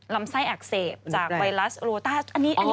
ลำไส้อักเสบจากไวรัสโรต้า